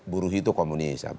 buruh itu komunis